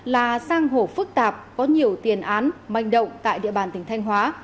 là sang hồ phức tạp có nhiều tiền án manh động tại địa bàn tỉnh thanh hóa